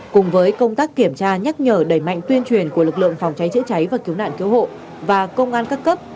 cùng với công tác kiểm tra nhắc nhở đẩy mạnh tuyên truyền của lực lượng phòng cháy chữa cháy và cứu nạn cứu hộ và công an các cấp